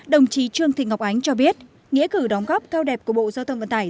đồng chí trương thị ngọc ánh cho biết nghĩa cử đóng góp cao đẹp của bộ giao thông vận tải